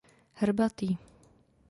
Hrbatý.